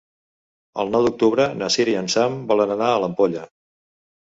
El nou d'octubre na Sira i en Sam volen anar a l'Ampolla.